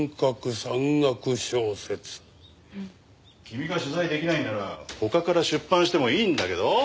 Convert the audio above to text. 君が取材できないんなら他から出版してもいいんだけど。